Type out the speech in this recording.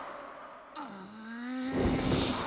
うん。